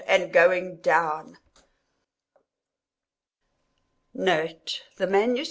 and—going down. NOTE.—The "MS.